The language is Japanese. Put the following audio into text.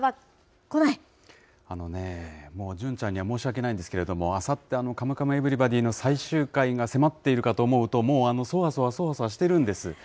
あのね、もう純ちゃんには申し訳ないんですけれども、あさって、カムカムエヴリバディの最終回が迫っているかと思うと、もうそわそわそわしてるんです。